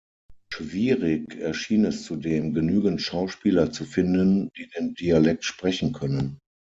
Schwierig erschien es zudem, genügend Schauspieler zu finden, die den Dialekt sprechen können.